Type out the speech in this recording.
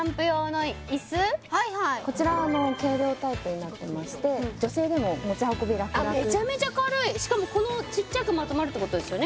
こちら軽量タイプになってまして女性でも持ち運び楽々あっメチャメチャ軽いしかもこのちっちゃくまとまるってことですよね